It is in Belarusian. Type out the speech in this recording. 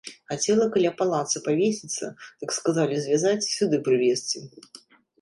Хацела каля палаца павесіцца, дык сказалі звязаць і сюды прывесці!